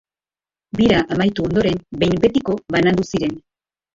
Bira amaitu ondoren behin betiko banandu ziren.